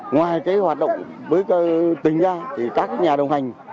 ngoài cái hoạt động với tỉnh ra thì các nhà đồng hành